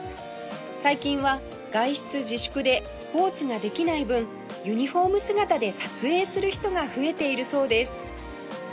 最近は外出自粛でスポーツができない分ユニホーム姿で撮影する人が増えているそうです